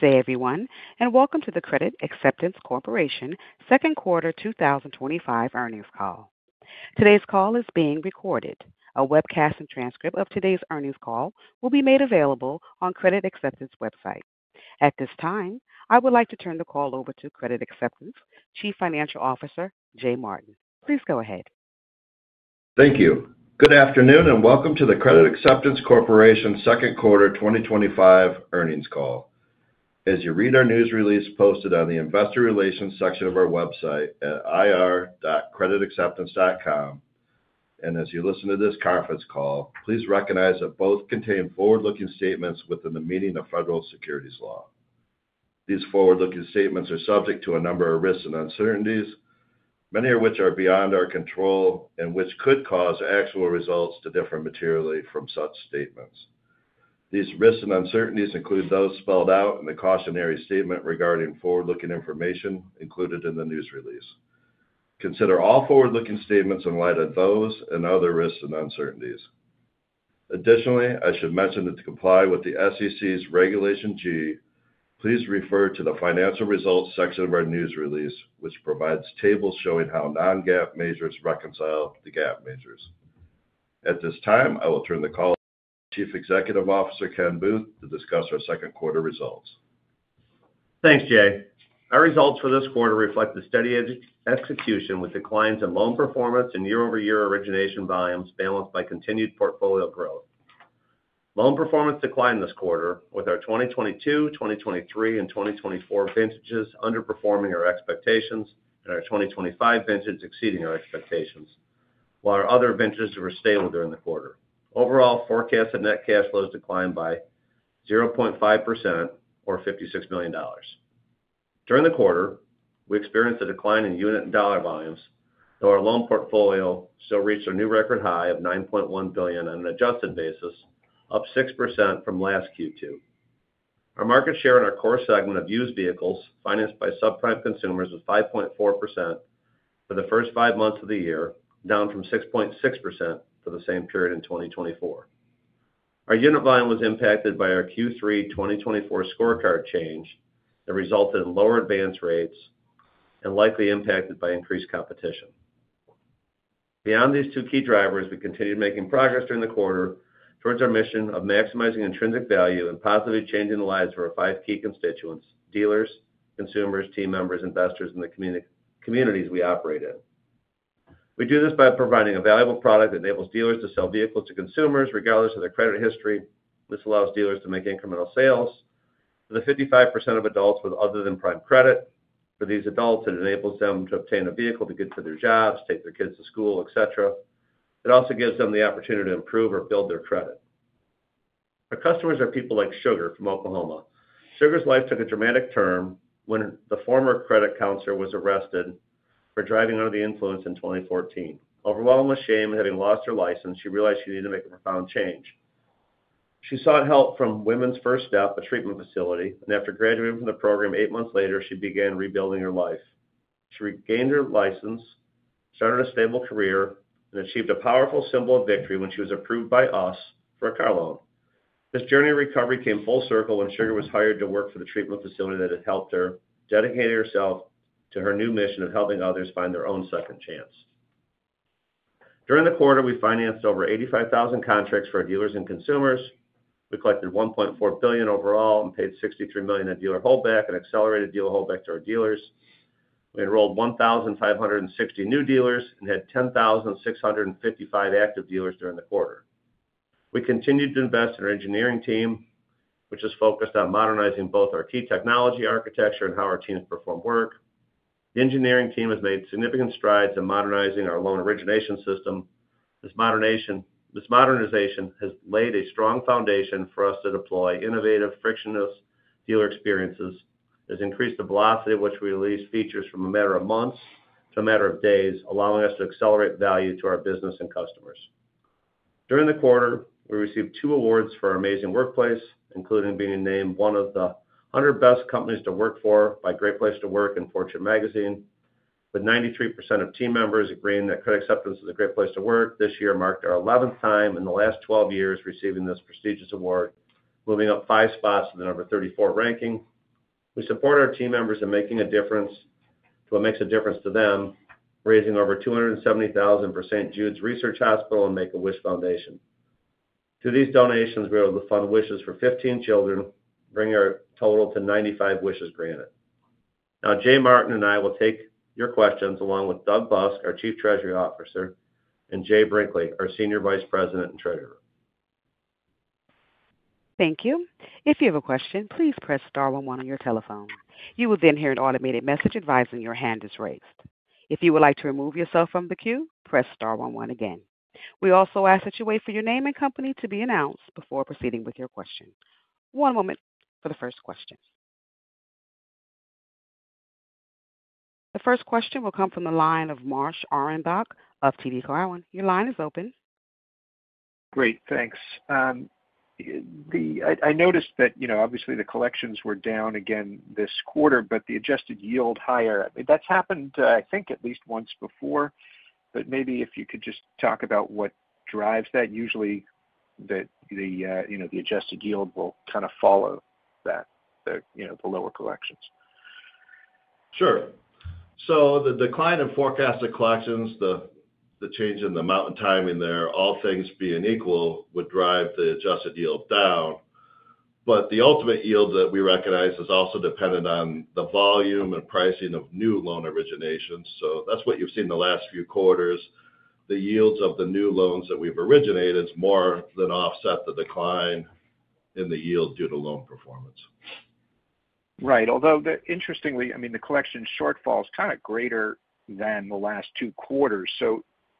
Good day everyone and welcome to the Credit Acceptance Corporation Second Quarter 2025 Earnings Call. Today's call is being recorded. A webcast and transcript of today's earnings call will be made available on the Credit Acceptance website. At this time, I would like to turn the call over to Credit Acceptance Chief Financial Officer Jay Martin. Please go ahead. Thank you. Good afternoon and welcome to the Credit Acceptance Corporation second quarter 2025 earnings call. As you read our news release posted on the Investor Relations section of our website at ir.creditacceptance.com and as you listen to this conference call, please recognize that both contain forward-looking statements within the meaning of federal securities law. These forward-looking statements are subject to a number of risks and uncertainties, many of which are beyond our control and which could cause actual results to differ materially from such statements. These risks and uncertainties include those spelled out in the cautionary statement regarding forward-looking information included in the news release. Consider all forward-looking statements in light of those and other risks and uncertainties. Additionally, I should mention that to comply with the SEC's Regulation G, please refer to the Financial Results section of our news release, which provides tables showing how non-GAAP measures reconcile to GAAP measures. At this time I will turn the call to Chief Executive Officer Kenneth Booth to discuss our second quarter results. Thanks Jay. Our results for this quarter reflect the steady execution with declines in loan performance and year-over-year origination volumes balanced by continued portfolio growth. Loan performance declined this quarter with our 2022, 2023, and 2024 vintages underperforming our expectations and our 2025 vintage exceeding our expectations, while our other vintages were stable during the quarter. Overall, forecasted net cash flows declined by 0.5%, or $56 million during the quarter. We experienced a decline in unit and dollar volumes, though our loan portfolio still reached a new record high of $9.1 billion on an adjusted basis, up 6% from last Q2. Our market share in our core segment of used vehicles financed by subprime consumers was 5.4% for the first five months of the year, down from 6.6% for the same period in 2024. Our unit volume was impacted by our Q3 2024 scorecard change that resulted in lower advance rates and likely impacted by increased competition. Beyond these two key drivers, we continued making progress during the quarter towards our mission of maximizing intrinsic value and positively changing the lives of our five key constituents: dealers, consumers, team members, investors, and the communities we operate in. We do this by providing a valuable product that enables dealers to sell vehicles to consumers regardless of their credit history. This allows dealers to make incremental sales to the 55% of adults with other than prime credit. For these adults, it enables them to obtain a vehicle to get to their jobs, take their kids to school, et cetera. It also gives them the opportunity to improve or build their credit. Our customers are people like Sugar from Oklahoma. Sugar's life took a dramatic turn when the former credit counselor was arrested for driving under the influence in 2014. Overwhelmed with shame, having lost her license, she realized she needed to make a profound change. She sought help from Women's First Step, a treatment facility, and after graduating from the program eight months later, she began rebuilding her life. She regained her license, started a stable career, and achieved a powerful symbol of victory when she was approved by us for a car loan. This journey of recovery came full circle when Sugar was hired to work for the treatment facility that had helped her, dedicating herself to her new mission of helping others find their own second chance. During the quarter, we financed over 85,000 contracts for our dealers and consumers. We collected $1.4 billion overall and paid $63 million in dealer holdback and accelerated dealer holdback to our dealership. We enrolled 1,560 new dealers and had 10,655 active dealers. During the quarter, we continued to invest in our engineering team, which is focused on modernizing both our key technology architecture and how our teams perform work. The engineering team has made significant strides in modernizing our loan origination system. This modernization has laid a strong foundation for us to deploy innovative, frictionless dealer experiences. It has increased the velocity with which we release features from a matter of months to a matter of days, allowing us to accelerate value to our business and customers. During the quarter, we received two awards for our amazing workplace, including being named one of the 100 Best Companies to Work For by Great Place to Work and Fortune magazine, with 93% of team members agreeing that Credit Acceptance is a great place to work. This year marked our 11th time in the last 12 years receiving this prestigious award, moving up five spots to the number 34 ranking. We support our team members in making a difference in what makes a difference to them, raising over $270,000 for St. Jude's Research Hospital and Make-A-Wish Foundation. Through these donations, we were able to fund wishes for 15 children, bringing our total to 95 wishes granted. Now Jay Martin and I will take your questions along with Doug Busk, our Chief Treasury Officer, and Jay Brinkley, our Senior Vice President and Treasurer. Thank you. If you have a question, please press star one one on your telephone. You will then hear an automated message advising your hand is raised. If you would like to remove yourself from the queue, press star one one again. We also ask that you wait for your name and company to be announced before proceeding with your question. One moment for the first question. The first question will come from the line of Marsh Arendoch of TD Cowen. Your line is open. Great, thanks. I noticed that obviously the collections were down again this quarter, but the adjusted yield higher. That's happened, I think, at least once before. Maybe if you could just talk about what drives that. Usually the adjusted yield will kind of follow that, the lower collections. Sure. The decline in forecasted collections, the change in the amount and timing there, all things being equal, would drive the adjusted yield down. The ultimate yield that we recognize is also dependent on the volume and pricing of new loan originations. That's what you've seen the last few quarters. The yields of the new loans that we've originated more than offset the decline in the yield due to loan performance. Right. Although, interestingly, the collection shortfall is kind of greater than the last two quarters.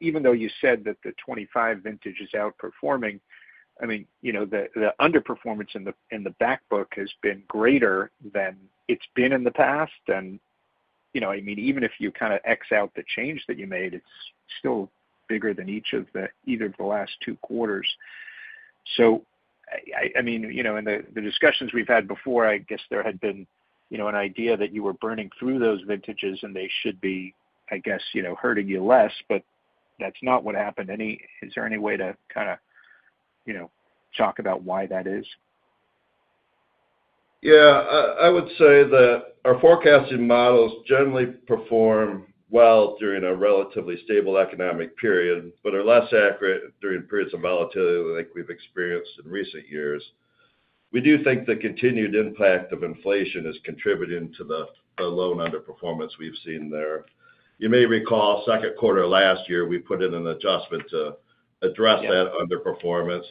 Even though you said that the 2025 vintage is outperforming, the underperformance in the back book has been greater than it's been in the past. Even if you kind of X out the change that you made, it's still bigger than either of the last two quarters. In the discussions we've had before, there had been an idea that you were burning through those vintages and they should be hurting you less. That's not what happened. Is there any way to kind of talk about why that is? Yeah, I would say that our forecasting models generally perform well during a relatively stable economic period, but are less accurate during periods of volatility like we've experienced in recent years. We do think the continued impact of inflation is contributing to the loan underperformance we've seen there. You may recall, second quarter last year, we put in an adjustment to address that underperformance.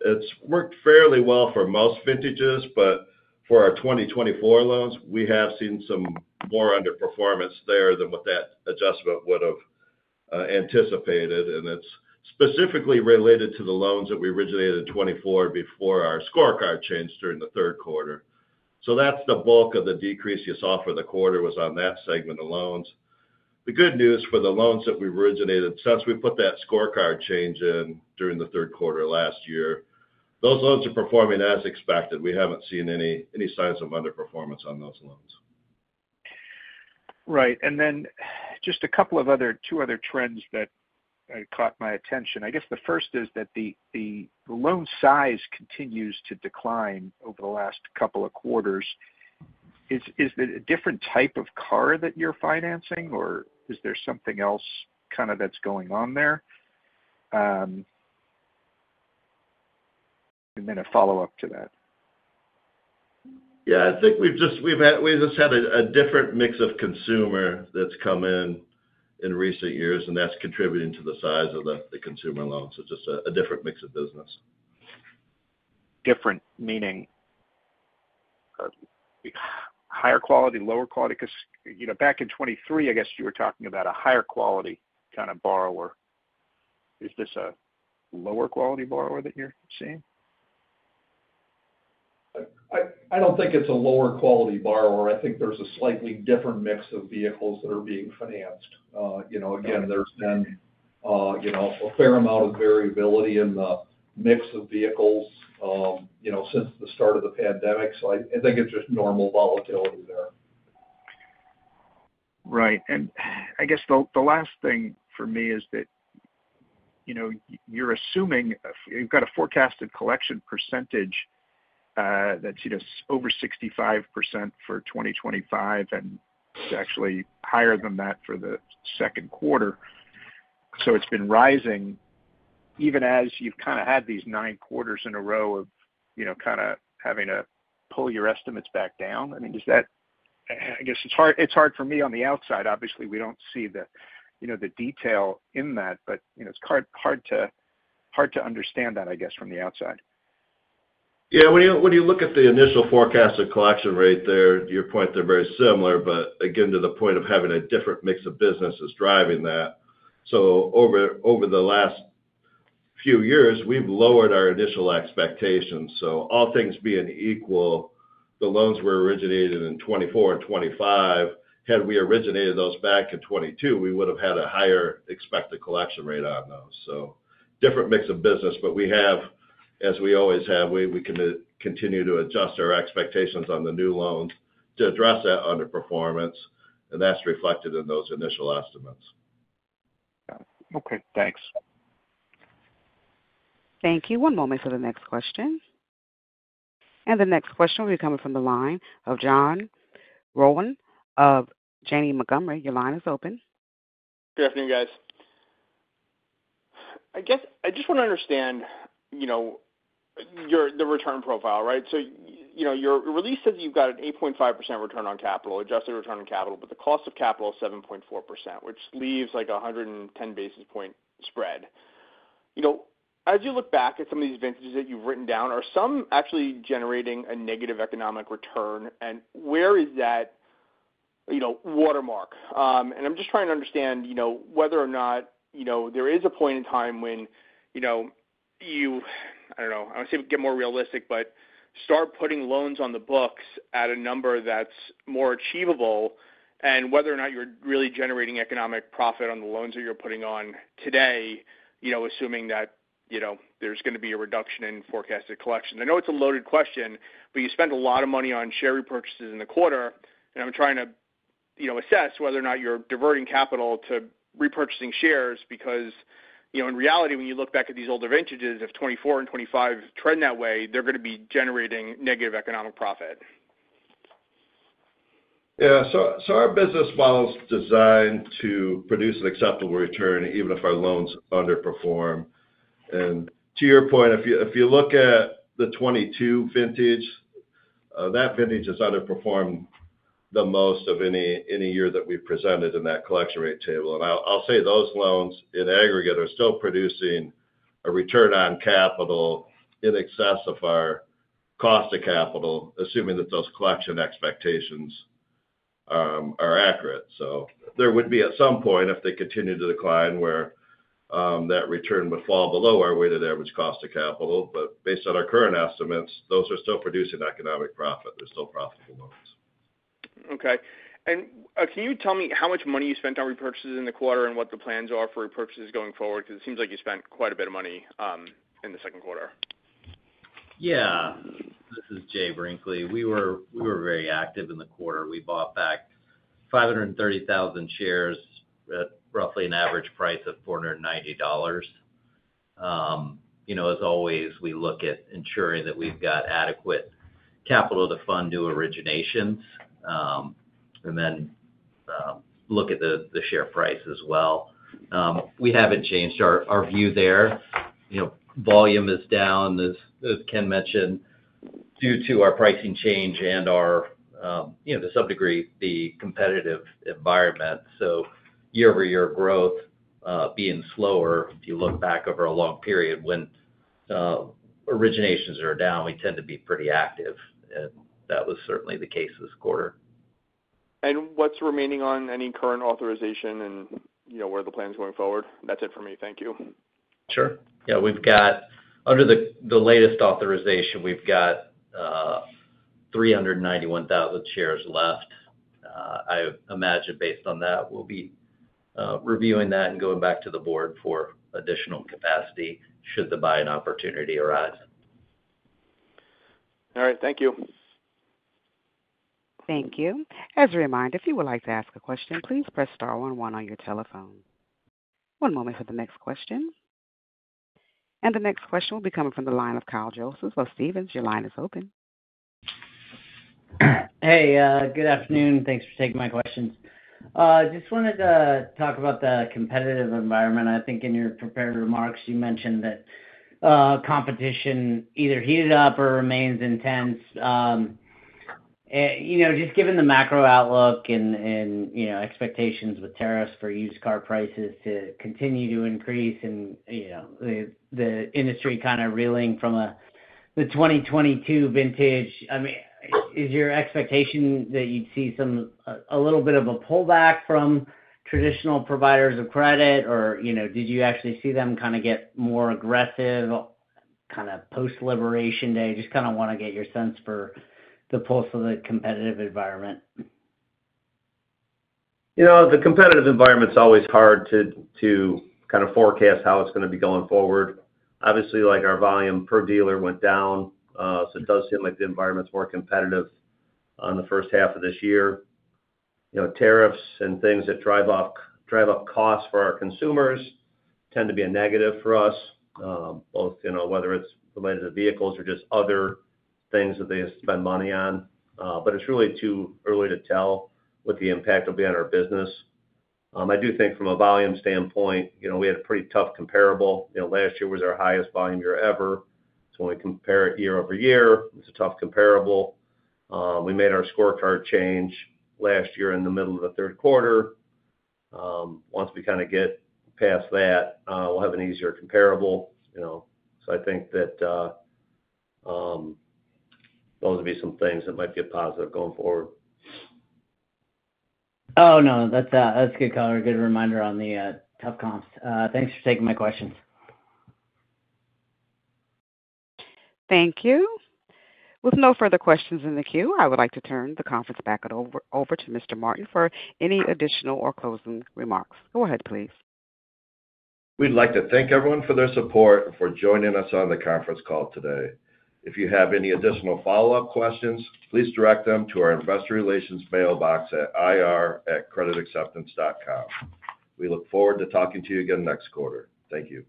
It's worked fairly well for most vintages, but for our 2024 loans, we have seen some more underperformance there than what that adjustment would have anticipated. It's specifically related to the loans that we originated in 2024 before our scorecard changed during the third quarter. That's the bulk of the decrease you saw for the quarter, was on that segment of loans. The good news for the loans that we originated since we put that scorecard change in during the third quarter last year, those loans are performing as expected. We haven't seen any signs of underperformance on those loans. Right. A couple of other trends caught my attention. The first is that the loan size continues to decline over the last couple of quarters. Is that a different type of car that you're financing, or is there something else that's going on there? A follow up to that. I think we've just had a different mix of consumer that's come in in recent years, and that's contributing to the size of the consumer loans. It's just a different mix of business. Different meaning higher quality, lower quality. Because, you know, back in 2023, I guess you were talking about a higher quality kind of borrower. Is this a lower quality borrower that you're seeing? I don't think it's a lower quality borrower. I think there's a slightly different mix. Of vehicles that are being financed. Again, there's been a fair amount of. Variability in the mix of vehicles since. The start of the pandemic. I think it's just normal volatility there. Right. I guess the last thing for me is that you're assuming you've got a forecasted collection percentage that's over 65% for 2025 and actually higher than that for the second quarter. It's been rising even as you've had these nine quarters in a row of having to pull your estimates back down. I mean, it's hard for me on the outside. Obviously, we don't see the detail in that, but it's hard to understand that from the outside. Yeah. When you look at the initial forecasted collection rate there, your point, they're very similar, but again to the point of having a different mix of business is driving that. Over the last few years we've lowered our initial expectations. All things being equal, the loans that were originated in 2024 and 2025, had we originated those back in 2022, we would have had a higher expected collection rate on those. Different mix of business. We have, as we always have, continued to adjust our expectations on the new loans to address that underperformance, and that's reflected in those initial estimates. Okay, thanks. Thank you. One moment for the next question. The next question will be coming from the line of John Rowan of Janney Montgomery. Your line is open. Good afternoon, guys. I guess I just want to understand, you know, the return profile. Your release says you've got an 8.5% return on capital, adjusted return on capital, but the cost of capital is 7.4%, which leaves a 110 basis point spread. As you look back at some of these advantages that you've written down, are some actually generating a negative economic return? Where is that watermark? I'm just trying to understand whether or not there is a point in time when you, I don't know, I want to say get more realistic, but start putting loans on the books at a number that's more achievable and whether or not you're really generating economic profit on the loans that you're putting on today. Assuming that there's going to be a reduction in forecasted collection. I know it's a loaded question, but you spend a lot of money on share repurchases in the quarter. I'm trying to assess whether or not you're diverting capital to repurchasing shares, because in reality, when you look back at these older vintages, if 2024 and 2025 trend that way, they're going to be generating negative economic profit. Yeah. Our business model is designed to produce an acceptable return even if our loans underperform. To your point, if you look at the 2022 vintage, that vintage has underperformed the most of any year that we presented in that collection rate table. I'll say those loans in aggregate are still producing a return on capital in excess of our cost of capital, assuming that those collection expectations are accurate. There would be, at some point, if they continue to decline, where that return would fall below our weighted average cost of capital. Based on our current estimates, those are still producing economic profit. There's still profit. Okay. Can you tell me how much money you spent on repurchases in the quarter and what the plans are for repurchases going forward? It seems like you spent quite a bit of money in the second quarter. Yeah, this is Jay Brinkley. We were very active in the quarter. We bought back 530,000 shares at roughly an average price of $490. As always, we look at ensuring that we've got adequate capital to fund new originations and then look at the share price as well. We haven't changed our view there. Volume is down, as Ken mentioned, due to our pricing change and, to some degree, the competitive environment. Year over year, growth being slower. If you look back over a long period. periods when originations are down, we tend to be pretty active. That was certainly the case this quarter. What is remaining on any current authorization, and where the plan is going forward? That's it for me. Thank you. Sure. Yeah, we've got, under the latest authorization, we've got 391,000 shares left. I imagine, based on that, we'll be reviewing that and going back to the board for additional capacity should the buying opportunity arise. All right, thank you. Thank you. As a reminder, if you would like to ask a question, please press star one one on your telephone. One moment for the next question. The next question will be coming from the line of Kyle Joseph for Stephens. Your line is open. Hey, good afternoon. Thanks for taking my questions. I just wanted to talk about the competitive environment. I think in your prepared remarks you mentioned that competition either heated up or remains intense. Just given the macro outlook and expectations, with tariffs for used car prices to continue to increase and the industry kind of reeling from the 2022 vintage, is your expectation that you'd see a little bit of a pullback from traditional providers of credit, or did you actually see them kind of get more aggressive post-Liberation Day? I just want to get your sense for the pulse of the competitive environment. The competitive environment is always hard to kind of forecast how it's going to be going forward. Obviously, our volume per dealer went down, so it does seem like the environment is more competitive in the first half of this year. Tariffs and things that drive up costs for our consumers tend to be a negative for us both, whether it's related to vehicles or just other things that they spend money on. It is really too early to tell what the impact will be on our business. I do think from a volume standpoint, we had a pretty tough comparable. Last year was our highest volume year ever. When we compare it year over year, it's a tough comparable. We made our scorecard change last year in the middle of the third quarter. Once we get past that, we'll have an easier comparable, you know, so I think that those would be some things that might be a positive going forward. That's a good caller. Good reminder on the tough comps. Thanks for taking my questions. Thank you. With no further questions in the queue, I would like to turn the conference back over to Mr. Martin for any additional or closing remarks. Go ahead please. We'd like to thank everyone for their support and for joining us on the conference call today. If you have any additional follow-up questions, please direct them to our Investor Relations mailbox at ir@creditacceptance.com. We look forward to talking to you again next quarter. Thank you.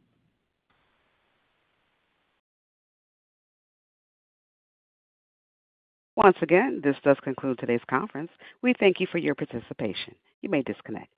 Once again, this does conclude today's conference. We thank you for your participation. You may disconnect.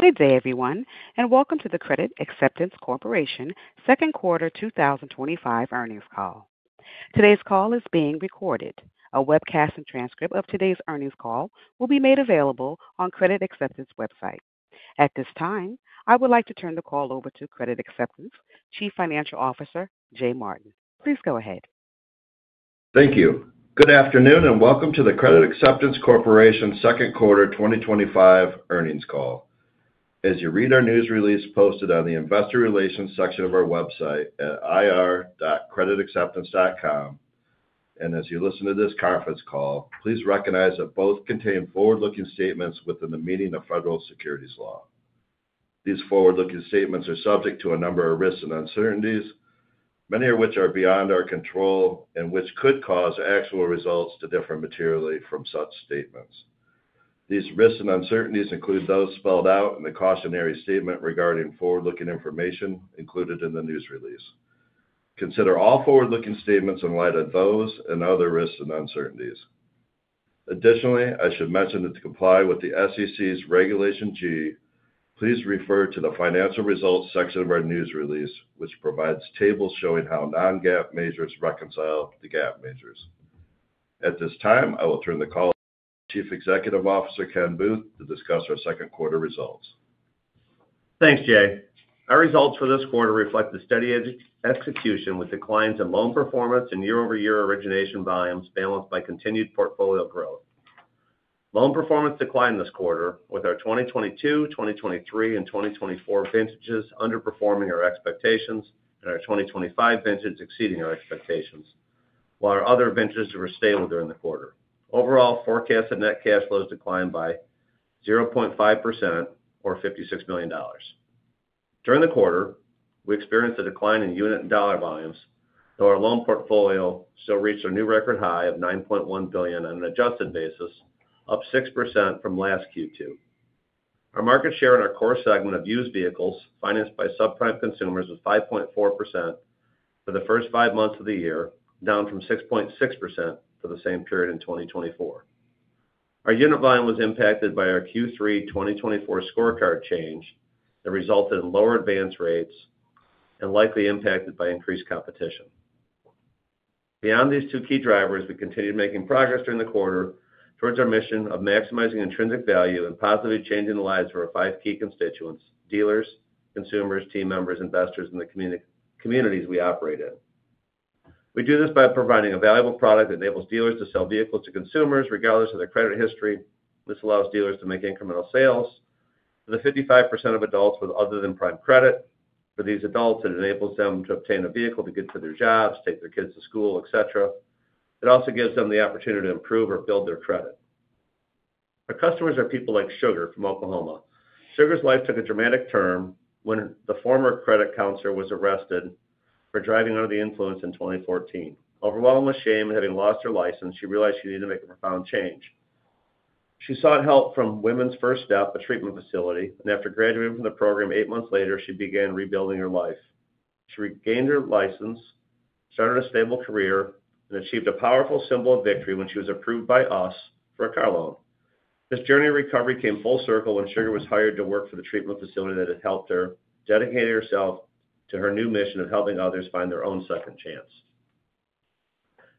Good day everyone and welcome to the Credit Acceptance Second Quarter 2025 Earnings Call. Today's call is being recorded. A webcast and transcript of today's earnings call will be made available on the Credit Acceptance website. At this time, I would like to turn the call over to Credit Acceptance Chief Financial Officer Jay Martin. Please go ahead. Thank you. Good afternoon and welcome to the Credit Acceptance Corporation second quarter 2025 earnings call. As you read our news release posted on the Investor Relations section of our website at ir.creditacceptance.com and as you listen to this conference call, please recognize that both contain forward-looking statements within the meaning of federal securities law. These forward-looking statements are subject to a number of risks and uncertainties, many of which are beyond our control and which could cause actual results to differ materially from such statements. These risks and uncertainties include those spelled out in the cautionary statement regarding forward-looking information included in the news release. Consider all forward-looking statements in light of those and other risks and uncertainties. Additionally, I should mention that to comply with the SEC's Regulation G, please refer to the Financial Results section of our news release, which provides tables showing how non-GAAP measures reconcile to GAAP measures. At this time, I will turn the call to Chief Executive Officer Kenneth Booth to discuss our second quarter results. Thanks Jay. Our results for this quarter reflect the steady execution with declines in loan performance and year-over-year origination volumes balanced by continued portfolio growth. Loan performance declined this quarter with our 2022, 2023, and 2024 vintages underperforming our expectations and our 2025 vintage exceeding our expectations. While our other vintages were stable during the quarter, overall forecasted net cash flows declined by 0.5% or $56 million during the quarter. We experienced a decline in unit and dollar volumes, though our loan portfolio still reached a new record high of $9.1 billion on an adjusted basis, up 6% from last Q2. Our market share in our core segment of used vehicles financed by subprime consumers was 5.4% for the first five months of the year, down from 6.6% for the same period in 2024. Our unit volume was impacted by our Q3 2024 scorecard change that resulted in lower advance rates and likely impacted by increased competition. Beyond these two key drivers, we continued making progress during the quarter towards our mission of maximizing intrinsic value and positively changing the lives of our five key constituents: dealers, consumers, team members, investors, and the communities we operate in. We do this by providing a valuable product that enables dealers to sell vehicles to consumers regardless of their credit history. This allows dealers to make incremental sales to the 55% of adults with other than prime credit. For these adults, it enables them to obtain a vehicle to get to their jobs, take their kids to school, et cetera. It also gives them the opportunity to improve or build their credit. Our customers are people like Sugar from Oklahoma. Sugar's life took a dramatic turn when the former credit counselor was arrested for driving under the influence in 2014. Overwhelmed with shame and having lost her license, she realized she needed to make a profound change. She sought help from Women's First Step, a treatment facility, and after graduating from the program eight months later, she began rebuilding her life. She regained her license, started a stable career, and achieved a powerful symbol of victory when she was approved by us for a car loan. This journey of recovery came full circle when Sugar was hired to work for the treatment facility that had helped her, dedicating herself to her new mission of helping others find their own second chance.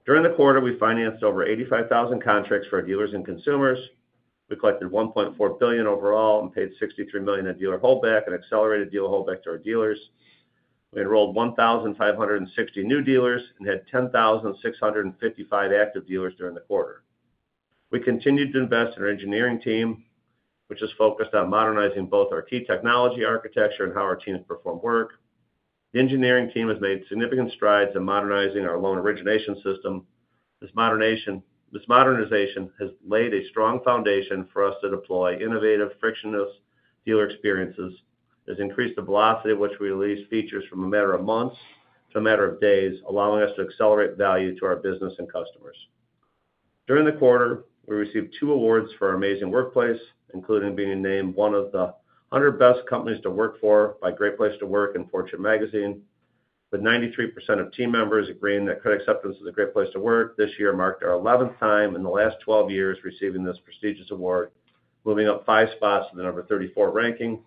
During the quarter we financed over 85,000 contracts for our dealers and consumers. We collected $1.4 billion overall and paid $63 million in dealer holdback and accelerated dealer holdback to our dealership. We enrolled 1,560 new dealers and had 10,655 active dealers. During the quarter we continued to invest in our engineering team, which is focused on modernizing both our key technology architecture and how our teams perform work. The engineering team has made significant strides in modernizing our loan origination system. This modernization has laid a strong foundation for us to deploy innovative, frictionless dealer experiences and has increased the velocity with which we release features from a matter of months to a matter of days, allowing us to accelerate value to our business and customers. During the quarter we received two awards for our amazing workplace, including being named one of the 100 Best Companies to Work For by Great Place to Work and Fortune magazine. With 93% of team members agreeing that Credit Acceptance Corporation is a great place to work, this year marked our 11th time in the last 12 years receiving this prestigious award, moving up five spots in the number 34 ranking.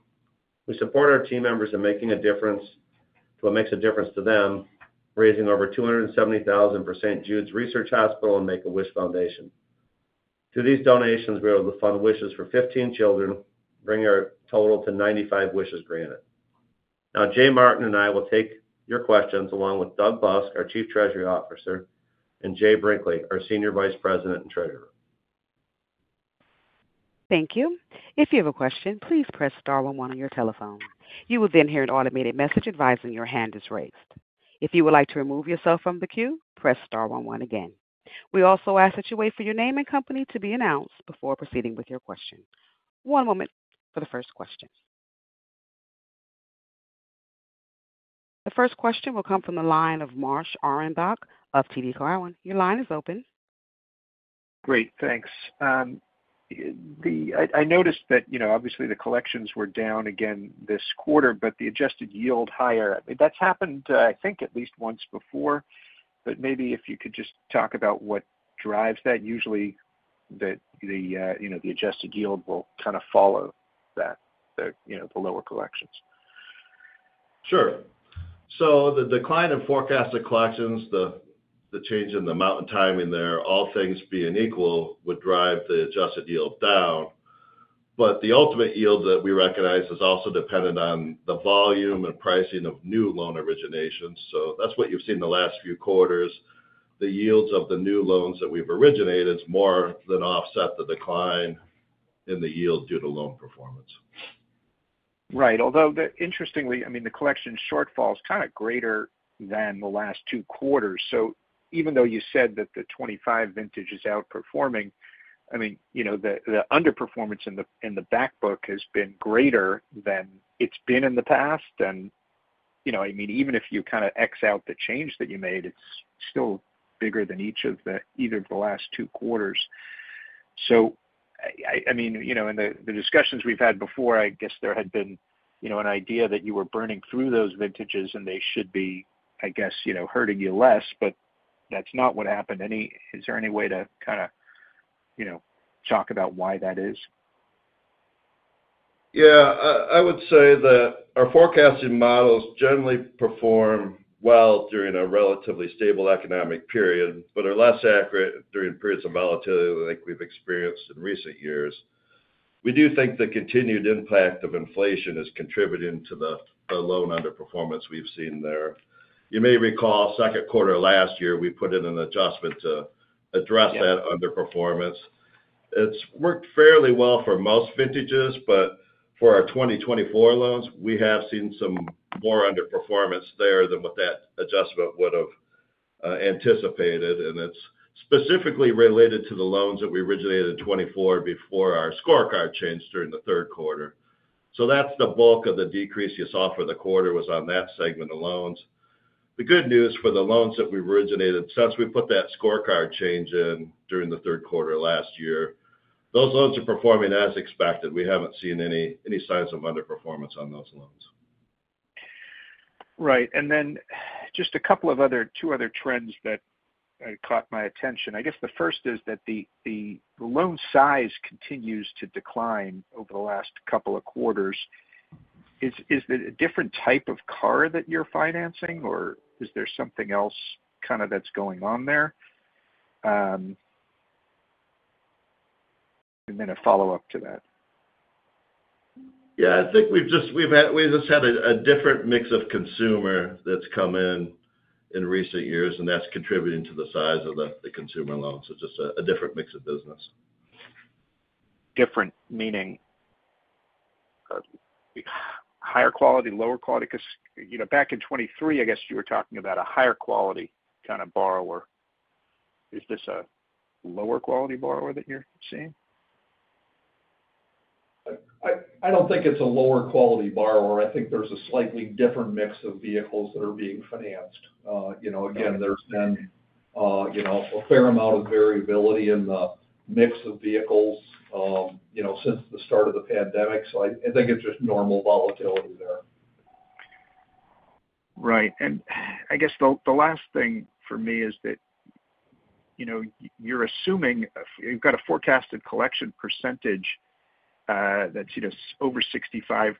We support our team members in making a difference to what makes a difference to them, raising over $270,000 for St. Jude's Research Hospital and Make-A-Wish Foundation. Through these donations, we were able to fund wishes for 15 children, bringing our total to 95 wishes granted. Now Jay Martin and I will take your questions along with Doug Busk, our Chief Treasury Officer, and Jay Brinkley, our Senior Vice President and Treasurer. Thank you. If you have a question, please press star 11 on your telephone. You will then hear an automated message advising your hand is raised. If you would like to remove yourself from the queue, press star 11 again. We also ask that you wait for your name and company to be announced before proceeding with your question. One moment for the first question. The first question will come from the line of Marsh Arendoch of TD Cowen. Your line is open. Great, thanks. I noticed that obviously the collections were down again this quarter, but the adjusted yield higher. That's happened, I think, at least once before. If you could just talk about what drives that. Usually the adjusted yield will kind of follow that, the lower collections. Sure. The decline in forecasted collections, the change in the amount and timing there, all things being equal, would drive the adjusted yield down. The ultimate yield that we recognize is also dependent on the volume and pricing of new loan originations. That's what you've seen the last few quarters. The yields of the new loans that we've originated more than offset the decline in the yield due to loan performance. Right. Although, interestingly, the collection shortfall is kind of greater than the last two quarters. Even though you said that the 2025 vintage is outperforming, the underperformance in the back book has been greater than it's been in the past. Even if you kind of X out the change that you made, it's still bigger than either of the last two quarters. In the discussions we've had before, there had been an idea that you were burning through those vintages and they should be hurting you less. That's not what happened. Is there any way to kind of talk about why that is? Yeah, I would say that our forecasting models generally perform well during a relatively stable economic period, but are less accurate during periods of volatility like we've experienced in recent years. We do think the continued impact of inflation is contributing to the loan underperformance. We’ve seen there, you may recall, second quarter last year, we put in an adjustment to address that underperformance. It’s worked fairly well for most vintages. For our 2024 loans, we have seen some more underperformance there than what that adjustment would have anticipated. It’s specifically related to the loans that we originated in 2024 before our scorecard changed during the third quarter. That’s the bulk of the decrease you saw for the quarter, it was on that segment of loans. The good news for the loans that we’ve originated since we put that scorecard change in during the third quarter last year, those loans are performing as expected. We haven’t seen any signs of underperformance on those loans. Right. A couple of other trends caught my attention. The first is that the loan size continues to decline over the last couple of quarters. Is it a different type of car that you're financing, or is there something else that's going on there? A follow up to that. I think we've just had a different mix of consumer that's come in in recent years, and that's contributing to the size of the consumer loans. It's just a different mix of business. Different meaning higher quality, lower quality. Because, you know, back in 2023, I guess you were talking about a higher quality kind of borrower. Is this a lower quality borrower that you're seeing? I don't think it's a lower quality borrower. I think there's a slightly different mix of vehicles that are being financed. Again, there's been, you know. A fair amount of variability in the. Mix of vehicles, you know, since the. Start of the pandemic. I think it's just normal volatility there. Right. I guess the last thing for me is that you're assuming you've got a forecasted collection percentage that's over 65%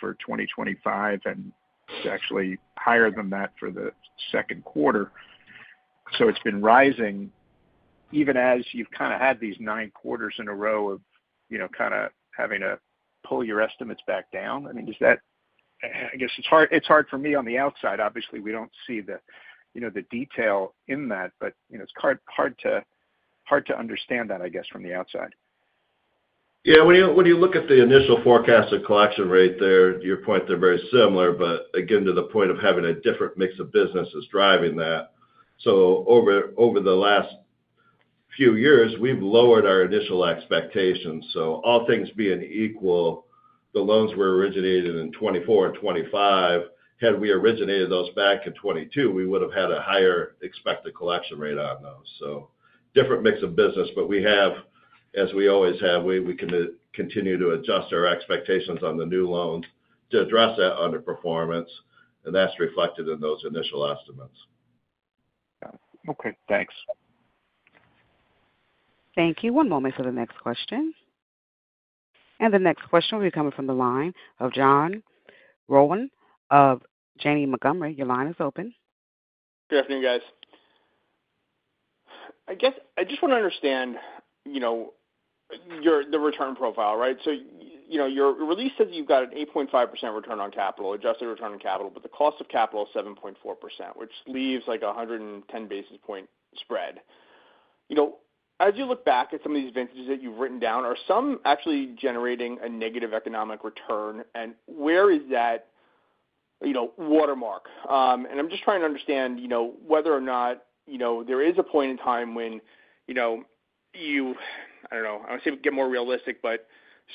for 2025 and actually higher than that for the second quarter. It's been rising even as you've had these nine quarters in a row of having to pull your estimates back down. I guess it's hard for me on the outside. Obviously, we don't see the detail in that, but it's hard to understand that from the outside. Yeah. When you look at the initial forecast of collection rate there, your point, they're very similar, but again, to the point of having a different mix. Business is driving that. Over the last few years, we've lowered our initial expectations. All things being equal, the loans were originated in 2024 and 2025. Had we originated those back in 2022, we would have had a higher expected collection rate on those. Different mix of business. We have, as we always have, we can continue to adjust our expectations on the new loans to address that underperformance. That's reflected in those initial estimates. Okay, thanks. Thank you. One moment for the next question. The next question will be coming from the line of John Rowan of Janney Montogomery. Your line is open. Good afternoon, guys. I guess I just want to understand, you know, the return profile. Your release says you've got an 8.5% return on capital, adjusted return on capital, but the cost of capital is 7.4%, which leaves a 110 basis point spread. As you look back at some of these advantages that you've written down, are some actually generating a negative economic return? Where is that watermark? I'm just trying to understand whether or not there is a point in time when you, I don't know, I would say get more realistic, but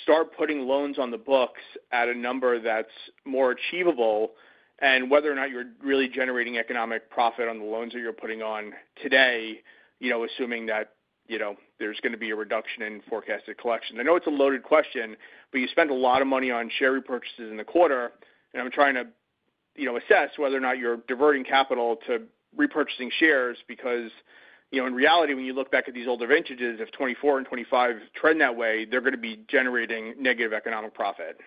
start putting loans on the books at a number that's more achievable and whether or not you're really generating economic profit on the loans that you're putting on today. Assuming that there's going to be a reduction in forecasted collection. I know it's a loaded question, you spent a lot of money on share repurchases in the quarter. I'm trying to assess whether or not you're diverting capital to repurchasing shares. Because in reality, when you look back at these older vintages, if 2024 and 2025 trend that way, they're going to be generating negative economic profit.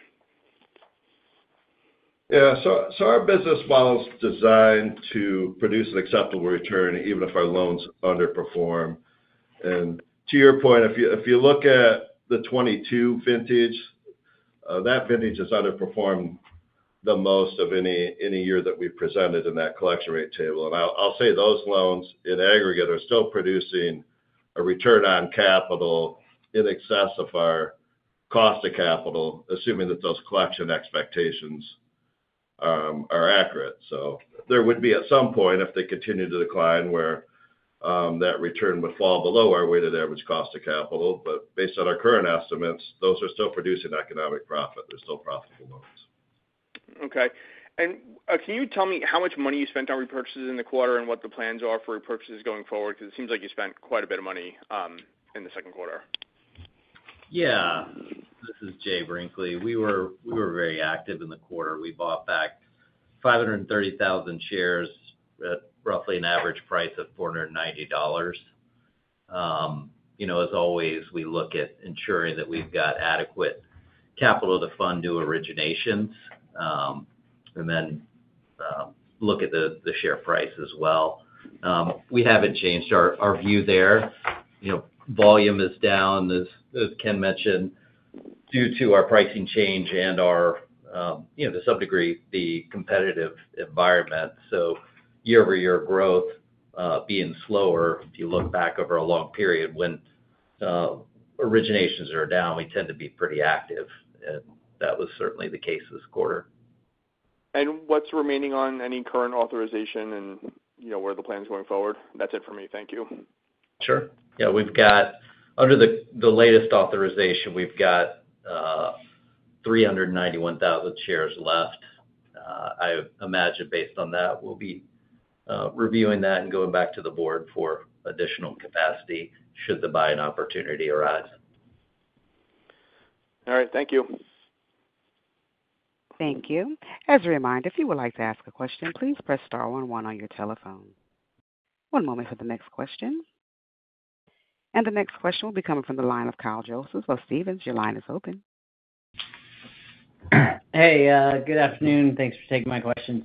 Yeah. Our business model is designed to produce an acceptable return even if our loans underperform. To your point, if you look at the 2022 vintage, that vintage has underperformed the most of any year that we presented in that collection rate table. I'll say those loans in aggregate are still producing a return on capital in excess of our cost of capital, assuming that those collection expectations are accurate. There would be at some point, if they continue to decline, where that return would fall below our weighted average cost of capital. Based on our current estimates, those are still producing economic profit. There's still profit. Okay. Can you tell me how much money you spent on repurchases in the quarter and what the plans are for repurchases going forward? It seems like you spent quite a bit of money in the second quarter. Yeah. This is Jay Brinkley. We were very active in the quarter. We bought back 530,000 shares at roughly an average price of $490. As always, we look at ensuring that we've got adequate capital to fund new originations and then look at the share price as well. We haven't changed our view there. Volume is down, as Ken mentioned, due to our pricing change and, to some degree, the competitive environment. Year over year, growth being slower. If you look back over a long period. Period when originations are down, we tend to be pretty active. That was certainly the case this quarter. What is remaining on any current authorization, and you know where the plan is going forward. That's it for me. Thank you. Sure. Yeah, we've got, under the latest authorization, we've got 391,000 shares left. I imagine, based on that, we'll be reviewing that and going back to the board for additional capacity should the buying opportunity arise. All right, thank you. Thank you. As a reminder, if you would like to ask a question, please press star one one on your telephone. One moment for the next question. The next question will be coming from the line of Kyle Joseph for Stephens, your line is open. Hey, good afternoon. Thanks for taking my questions.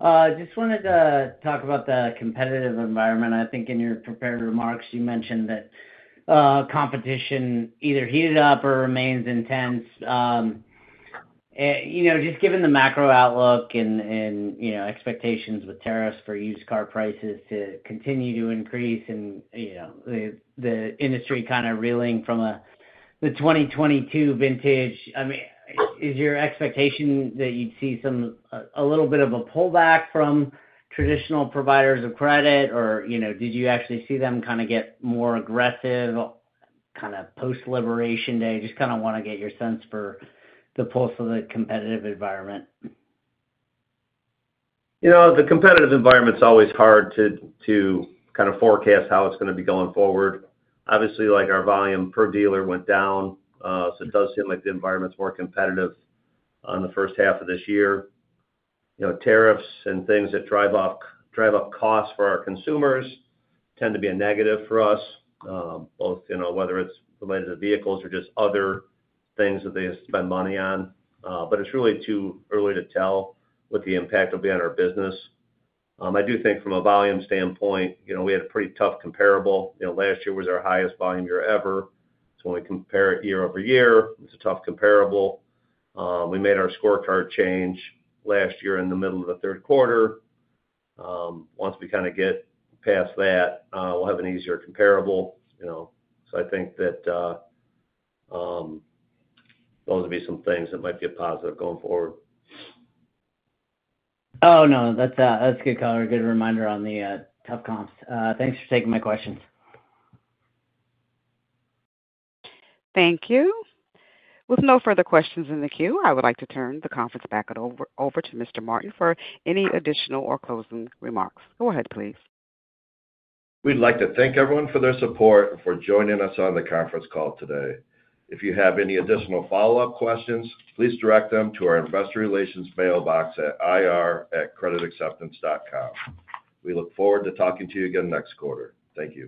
I just wanted to talk about the competitive environment. I think in your prepared remarks you mentioned that competition either heated up or remains intense. Just given the macro outlook and expectations, with tariffs for used car prices to continue to increase and the industry kind of reeling from the 2022 vintage, is your expectation that you'd see a little bit of a pullback from traditional providers of credit or, you know, did you actually see them get more aggressive post-Liberation Day? I just want to get your sense for the pulse of the competitive environment. The competitive environment's always hard to kind of forecast how it's going to be going forward. Obviously, our volume per dealer went down. It does seem like the environment's more competitive in the first half of this year. Tariffs and things that drive up costs for our consumers tend to be a negative for us, whether it's related to vehicles or just other things that they spend money on. It's really too early to tell what the impact will be on our business. I do think from a volume standpoint, we had a pretty tough comparable. Last year was our highest volume year ever. When we compare it year over year, it's a tough comparable. We made our scorecard change last year in the middle of the third quarter. Once we get past that, we'll have an easier comparable. I think that those would be some things that might be a positive going forward. Oh, that's a good call. Good reminder on the tough comps. Thanks for taking my questions. Thank you. With no further questions in the queue, I would like to turn the conference back over to Mr. Martin for any additional or closing remarks. Go ahead, please. We'd like to thank everyone for their support and for joining us on the conference call today. If you have any additional follow-up questions, please direct them to our Investor Relations mailbox at ir@creditacceptance.com. We look forward to talking to you again next quarter. Thank you.